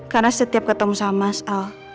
karena setiap ketemu sama mas al